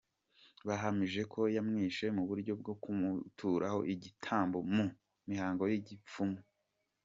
Bahamije ko yamwishe mu buryo bwo kumuturaho igitambo mu mihango ya gipfumu.